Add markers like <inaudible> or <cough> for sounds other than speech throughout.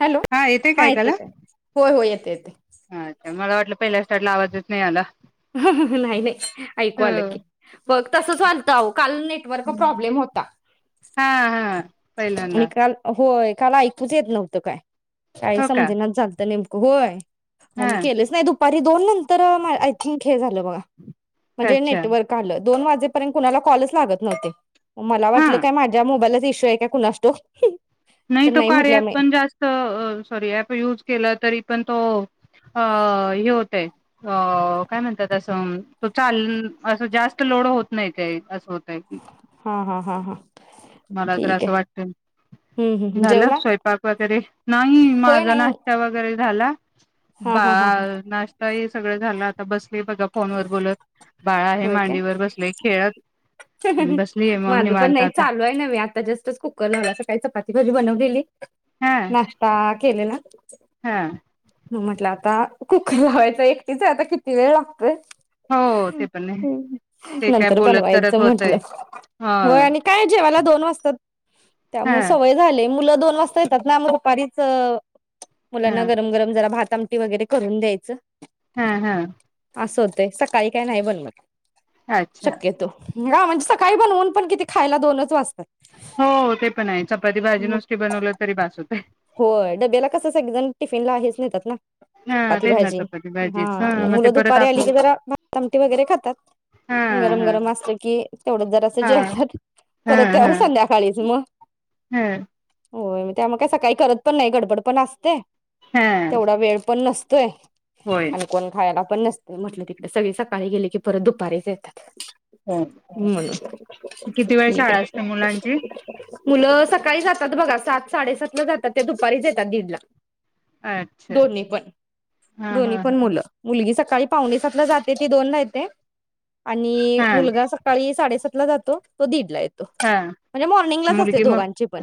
Hello येतेय का हा येते ऐकायला? काय होय हो येते. येते येत त्याला आवाज येत नाही आला नाही-नाही ऐकू हो आलं की बघ तसं चालत अहो काल नेटवर्क प्रॉब्लेम होता. हा हा पहिल्यांदा आणि काल ऑ होय काला ऐकूच येत नव्हतं काय. काही हो का समजे ना झालते नेम होय म हा मी केलेच नाही दु तरी दोन नंतर तर मा आय थिंक हे झालं बघा म्हणजे अच्छा नेटवर्क आलं दोन वाजेपर्यंत कुणाला कॉलच लागत नव्हते. मला हा वाटलं काय माझ्या मोबाईलाच इशू हाय काय? कुणास ठाऊक तर नाही तो कार्या म्हटल्या ॲप मी पण जास्त अ सॉरी ॲप युज केला तरी पण तो अ हे होतय अ काय म्हणतातं असं तो चाल असं जास्त लोड होत नाही काय असं होत. हा- हा हा हा मला तर ठीक असं आहे हम्म वाटतय हम्म झालं जेवला स्वयंपाक वगैरे नाही होय माझा नाही नाश्ता वगैरे झाला हा बा हा हा हा नाश् हे सगळं झालं आता बस मी बघा फोन वर बोलत बाळ आहे मांडीवर बसले खेळत बसलीय मग माझ पण निवांत नाही आता चालू काही नव्हे आता जस्टच कुकर लावला सकाळी चपाती भाजी बनवलेली. हा नाश्ता केलेला हा म म्हटलं आता कुकर लावायचा एकटीच आहे आता किती वेळ लागतोय हो ते पण नाय ते काय बोलत तर असं म्हटलं व्हयं आणि काय जेवाला दोन <inaudible> हा त्यामुळे सवय झाले मुल दोन वाजता येतात ना मग दुपारीच अ हा मुलांना गरम गरम जरा भात आमटी वगैरे करून द्यायचं. हा हा असं होतय सकाळी काय नाही बनवत. अच्छा शक्यतो हा म्हणजे सकाळी बनवून पण किती खायला दोनच वाजतात. हो ते पण आहे चपाती भाजी मग नुसती बनवलं तरी बास होतय. होय डब्याला कसं सगळे जण टिफिनला हेच नेतात ना हा चपाती तेच ना भाजी चपाती हा भाजीच मग ते मुलं परत दुपारी आली आपलं की जरा भातआमटी वगैरे खातात हा गरम हा गरम असल कि तेवढच जरासं हा जेवतात हा परत त्यावर हा संध्याकाळीच म हा होय मगं त्यामुळ काय सकाळी करत पण नाही गडबड पण असते. हा तेवढा वेळ पण नस <inaudible> होय आणि कोण खायला? पण नसते म्हटलं तिकडे सगळी सकाळी गेले की परत दुपारीच येतात. हो म्हणून किती वेळ ठीक शाळा असते मुलांची मुलं सकाळी जात तात बघा सात साडेसात ला जातात. ते दुपारीच येतात दीडला अच्छा दोन्ही अच्छा पण हा दोन्ही हा पण मुलं मुलगी सक काळी पावणे सातला जाते ती दोन ला येते. आणि हा मुलगा सकाळी साडेसात ला जातो तो दीडला येत तो हा म्हणजे मॉर्निंगलाच असते मुलगी मग दोघांचे पण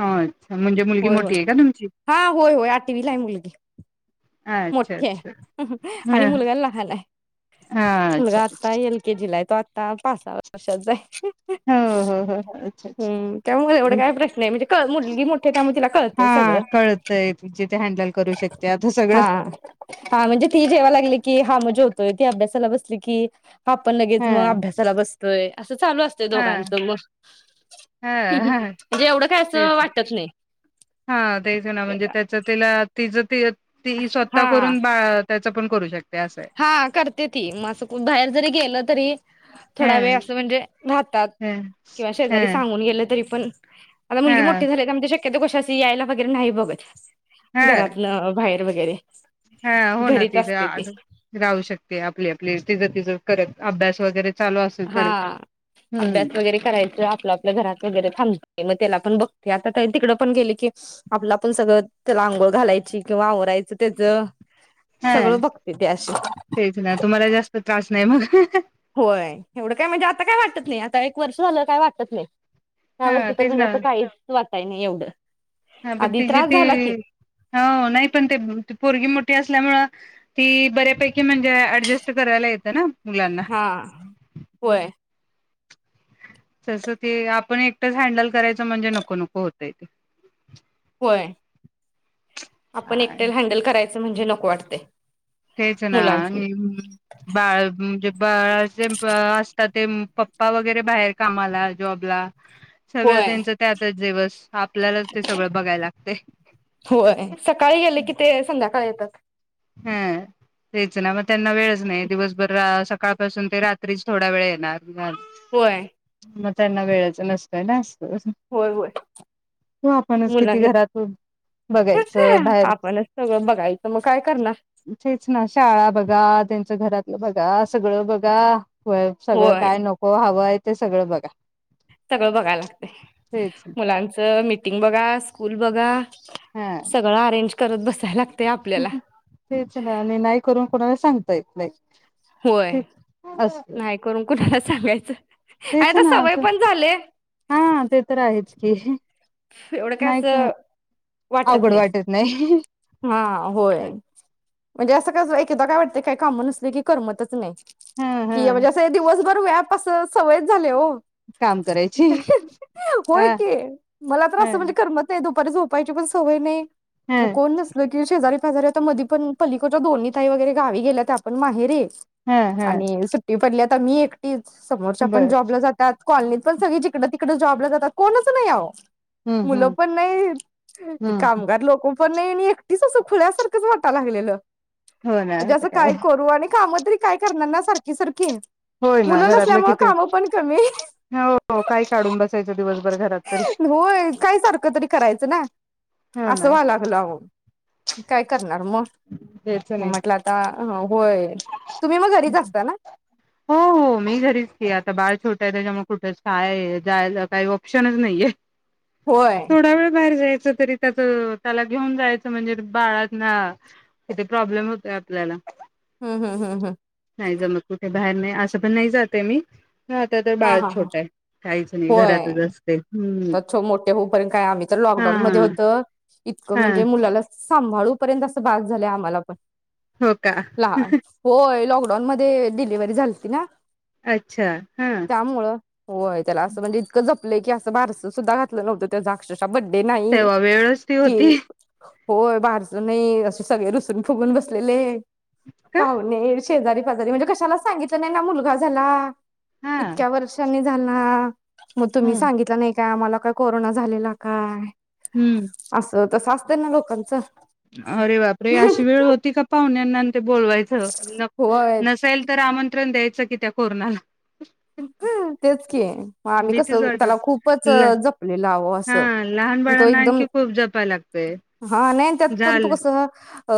अच्छा म्हणजे मुलगी होय होय मोठी आहे का तुमची? हा होय होय आठवीला आहे मुलगी. अच्छा मोठी अच्छा हाय आणि ह मुलगा लहान आहे. हा अच्छा मुलगा आता एल के जी ला आहे तो आता पाच सहा वर्षाचा हाय. हो हो हो अच्छा हम्म त्यामुळ एवढ अच्छा काय प्रश्न नाही म्हणजे कळ मुलगी मोठी त्यामुळं तिला कळतंय हा सगळं कळतय तिचे ते हँडल करू शकते आता सगळं हा हा म्हणजे ती जेवाय लागली की हाम जेवतोय ती अभ्यासाला बसली की आपण लगेच हा मग अभ्यासाला बस होय अस चालू असतयं हा दोघांच मग हा हा म्हणजे एवढं काय असं तेच वाटत नाही. हा तेच ना म्हणजे त्याच तिला तिज ती येत ती स्वतः हा करून बा अ त्या तु पण करून शक हा करते ती म असं कु बाहेर जरी गेलं तरी थोडा वेळ ह असं म्हणजे राहतात किंवा शेजारी ह सांगून गेलं तरी पण आता हा मुलगी मोठी झालीया त्यामूळ ते श केतू कशी अशी यायला वगैरे नाही बघत. हा घरातन बाहेर वगैरे हा होना घरीच तिचं असते ती आजू राहू शकते आपली आपली तिजं तिजं करत अभ्यास वगैरे चालू असेल हा करत अभ्यास हम्म वगैरे करायचं आपलं आपल्या घरात वगैरे थांब ते मग त्याला पण बघते आता त तिकड पण गेली की आपल आपण पण सगळं त्याला आंघोळ घालायची किंवा आवरायचं त्यज हा तेच ना तुम्हाला जास्त त्रास नाही मग. ह ह. होय एवढं काय म्हणजे आता काय वाटत नाही आता एक वर्ष झालं काय वाटत नाही. ह्या हा वर्षी तर तेच म्हणजे ना असं काहीच वा काही नाही एवढं हा पण आधी तिजी त्रास ती झाला की हो नाही पण ते पोरगी मोठी असल्यामुळं ती बऱ्यापैकी म्हणजे ऍडजस्ट करायला येत ना. मुलांना हा आ होय. तसं ते आपण एकटंच हँडल करायचं म्हणजे नको नको होतय ते होय आपण काय एकटयान हँडल करायचं म्हणजे न वाटतयं. तेच ना आणि बाळ म्हणजे बाळ जे असतात ते पप्पा वगैरे बाहेर कामाला जॉबला सगळं होय त्यांच त्यातच दिवस आपल्यालाच ते सगळं बघाय लागतय. होय सकाळी गेले की ते संध्याकाळी येतात हा तेच ना म त्यांना वेळच नाय दिवसभर सकाळपासून ते रात्रीच थोडा वेळ येणार मगं होय. मग त्यांना वेळेच नसतोय ना होय होय तो आपणच किती मुलाना घरातून बघायचं बाहेर आपणच सगळं बघायचं म काय? करणार तेच ना शाळा बघा त्यांच घरातलं बघा सगळं बघा व्हयं सगळं होय काय नको हवंय ते सगळं बघा- सगळं बघाय लागत तेच मुलांच मिटिंग बघा स्कुल बघा हा सगळं अरेंज करत बसाय लाग तेच ना आणि नाही करून कोणाला सांग <inaudible> होय नाय करून कुणाला सांगायचं आणि तेच आता ना सवय पण झाले हा ते तर आहेच. <inaudible> एवढं काय नाही असं वाटत अवघड नाही नाही हा होय. म्हणजे असं कस एक एकदा काय वाटत काही काम नसले की करमतच नाय. हा कि हा म्हणजे असं दिवसभर व्याप अस सवयच झालय हो काम करायची होय हा की मला तर ह असं म्हणजे करमत नाही दु कधी झोपायची पण सवय नाही. ह म कोण नसलं की शेजारी वर आता मधी पण पलिकोडच्या दोन्ही ताई वगैरे गावी गेल्या त्या पण माहेरी ह ह आणि सुट्टी पडल्यात पण मी एकटीच समोरच्या पण बर जॉबला जातात कॉलनीत पण सगळी जिकड तिकड जॉबला जातात कोणच नाय आहो. हम्म मुल हम्म पण नाहीत ती हम्म कामगार लोक पण नाही मी एकटीच अस खुळ्यासारखच वाटाय लागलेल. हो ना म्हणजे अस आता काय करू आणि काम तरी काय करणार ना सारखी सारखी होय ना मुलं घरातल नसल्यामुळे किती कामं पण कमी हो काय काढून बसाय होय काय सारख तरी कराय च् ना हो अस ना व्हायला लागल आहो. काय करताय. म्हणार म द्यायच मग म नाही म्हटल आता होय तुम्ही मग घरीच असता ना हो हो मी घरीच की आता बाळ छोट आहे त्याच्यामूळ कुठे जाय जायचा काय ऑप्शनच नाहीये. होय थोडा वेळ बाहेर जाय क तरी त्याच त्याला घेऊन जायच म्हणजे बाळांना किती प्रॉब्लेम होतय आपल्याला. हं हं ह हा नाही जमत कुठे बाहेर नाही अस पण नाही जातय मी आता तर हा बाळ हा हा छोट आहे काहीच नाही होय घरातच असते हम्म बचो मोठे होऊपर्यंत काय आम्ही तर हा लॉकडाऊन मध्ये होत. इतक हा म्हणजे मुलालाच सांभाळूपर्यंत अस बास झालय आम्हाला पण हो का लहान होय लॉक पण मध्ये डिलिव्हरी झालती ना अच्छा हा त्यामुळ होय त्याला अस म्हणजे इतक जप अस की अस बारस सुधा घातल नव्हत अकर्ष हा बड्डे नाही तेव्हा वेळच ती की, होती होय बारसं नाई असे सगळे रुसून फुगून बसलेले. का पाव्हणे शेजारी पाजारी म्हणजे कशालाच सांगितलं नाही ना मुलगा झाला. हा इतक्या वर्षांनी त्यांना मग तुम्ही हम्म सांगितला नाही काय आम्हाला काय कोरोना झालेला काय? हूं असं तसं असतंय ना लोकांचं अरे बापरे अशी वेळ होती का पाहुण्याना बोलवायचं न होय नसेलं तर आमंत्रण द्याय सगळी त्या कोरोनाला <inaudible> तेच कि म आम्ही कस भीतीच वाटत त्याला खूपच जपलेलं आओ अस हा लहान तो बाळांना एकदम आणखी खूप जपाय लागतय हा नाई त्यात पण तू झाल कसं अ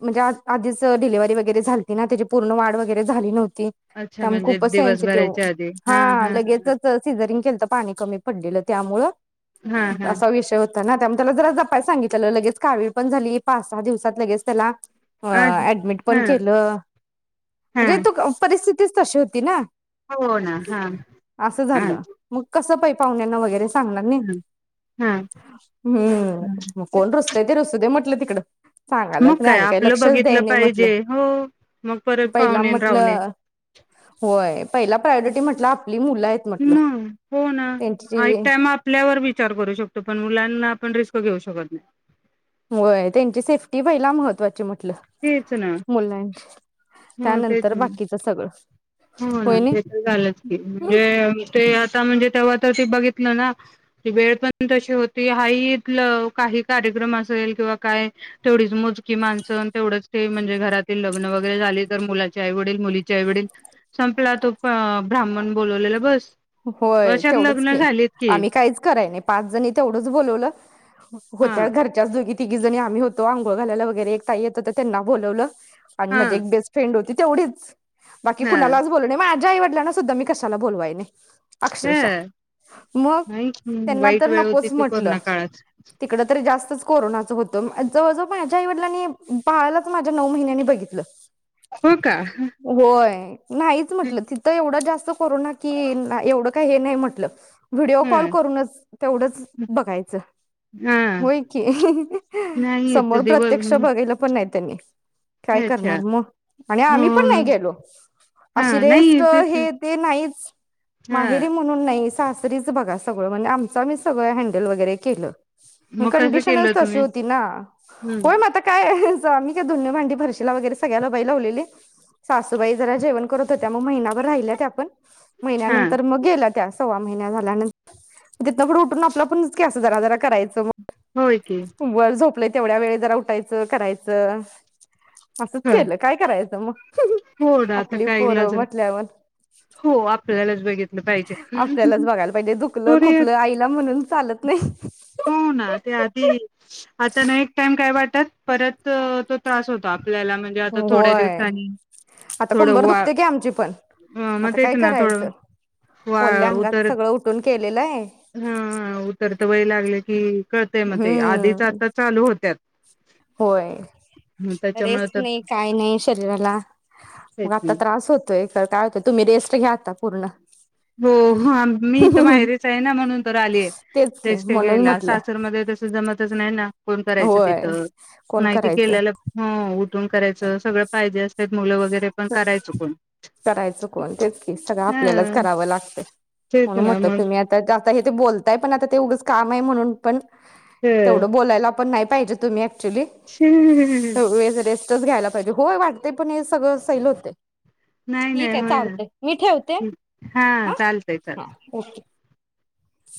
म्हणजे आ आधीच डिलिव्हरी वगैरे झालती ना त्याची पूर्ण वाढ वगैरे झाली नव्ह अच्छा त्यामुळं म्हणजे खूपच दिवस सेन्सी भरायच्या आधी हा लगेचचच सि रिंग केलत पाणी कमी पडलेलं त्यामुळ. हा हा असा विषय होता ना त्यामुळं त्याला जरा जपाय सांगितलेल लगेच कावीळ पण झाली पाच सहा दिवसात लगेच त्याला व्हय हा अ ऍडमिट पण हा केलं हा म्हणजे तुक अ परिस्थिती तीच तशी होती ना! हो ना हा असं हा झालं मग कस पइ पाहुण्याना वगैरे सांगणार नाही हा हम्म मग हम् कोण रुसतय ते रुसूदे म्हट <unintelligible> मग काय आपलं बघितलं म्हटलं. पाहिजे हो मग परत पहिला पाव्हणे अण रावणे. म्हटलं होय. पहिला प्रायोरिटी म्हटलं आपली मुलं आहेत म म्हटलं हो ना आइक त्यांची टाईम आपल्यावर विचार करू शकतो पण मुलांना आपण रिस्क घेऊ शकत नाही. व्हयं त्यांची सेफ्टी पहिला महत्त्वाची म्ह तेच ना हो तेच त्यानंतर ना बाकीच सगळं हो ना होय नाही ते तर झालंच की वेळ ते ता म्हणजे तेवा तर ते बघितल ना वेळ पण तशी होती हा इथल काही कार्यक्रम असेल किंवा काय तेवढीच मोजकी माणस अन तेवढंच ते म्हणजे घरातील लग्न वगैरे झाली तर मुलाचे आई वडील मुलीचे आईवडील संपला तो ब्राह्मण बोलवलेला बस. होय वर्षात तेवढंच लग्न के झालीत की आम्ही काहीच कराय नाही पाच जणी तेवढच बोलवल हो हा होत्या घरच्याच दोघी तिघी जणी आम्ही होतो आंघोळ घालायला वगैरे एक ताई येत होत्या त्यांना बोलवलं आणि हा माझे एक बेस्ट फ्रेंड होती तेवढीच बाकी ह कुणालाच बोलो नाय माया आईवडलांना सुद्ध मी कशाला बोलवाय नाय. अक्षरशा ह मग नाही त्यांना वाईट तर वेळ होती नकोच ती म्हटलं कोरोना काळात तिकड तर जास्तच कोरोनाच होत जवळजव माझ्या आईवडिलांनी बाळालाच माझ्या नऊ महिन्यानी बघितल. हो का होय नाहीच म्हंटलं तिथ एवढं जास् कोरोना की का एवढ काही हे नाही म्हटल. व्हिडीओ कॉल ह करूनच तेवढंच बघायच हा होय की ही ही नाही येत समोर देव प्रत्यक्ष बघील पण नाही त्यांनी काय अच्छा करणार मग आणि हो आम्ही पण नाही गेलो हा अशी नाही रेस्ट तेच हे ते नाहीच. हा माहेरी म्हणून ना नाही सासरीच बघा सगळ म्हणजे आमच आमीच सगळ हँडल वगैरे केल. मग कसं कंडीशन च केलं तशी तुम्ही होती ना हम्म होय म आता काय मी काय धुण भांडी फरशिला वगैरे सगळ्याला बाई लावलेली सासूबाई जरा जेवण करत होत्या मग महिनाभर राहिल्या त्या पण हा महिनानं तर मग गेला त्यास तवा महिना झाल्यानंत तिथन पुढं उठून आपल आपणच कॅन्सल जरा जरा कराय होय की वर झोप आपलं तेवढ्या वेळ जरा उठाचं कराचं असच केल काय करायच म? हो ना आता काय इलाज ना म्हटल्यावर हो आपल्याला आपल्यालाच बघायला पाहिजे दुखलं तो रे खुपलं आईला म्हणून चालत नाइ हो ना ते आधी आता न एक टाइम काय वाटत परत तो त्रास होतो आप आपल्याला म्हणजे आता थोड्या होय दिवसाांनी आता थोड कंबर वा दुखते की आमची पण मग आता तेच काय ना थोड करायचं वा ओल्या अंगात उतर सगळं उठून केलेलं आहे ह उत सवयं लाग..... गेल की कळतेय मग ते आधीच हम्म आता चालू होत्यात. होय मग त्याच्यामुळे रेस्ट तर नाही काय नाही शरीराला मग काहीच आता नाही त्रास होतोय काय होत तुम्ही रेस्ट घ्याता पूर्ण..... हो हा मी तर माहेरीेच आहे ना म्हणून तर आलीय तेच की रेस्ट म्हणून घ्यायला म्हटलं सासरमध्ये तसं जमतच नाही ना.... कोण करायचं होय तिथं कोण नाहीती केलेलं करायचं हो उठून करायचं सगळं पाहिजे असत मुलं व..... करायचं कोण तेच की सगळं आपल्यालाच ह करावं त् लागतंय तेच म्हणून ना म्हटलं मग तुम्ही आता हे बोलताय पण ते आता उगच काम..... नाही म्हणून पण.... ते. तेवढं बोलायला पण नाही.... पाहिजे तुम्ही एकच्युली बेड रेस्ट च घ्यायला पाहिजे होय वाटतेय पण हे सगळं पहिलं होतय.. नाय नाय होय ठेवते ना हा चालतंय हा चालतं ओके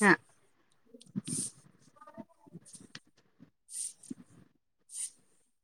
हा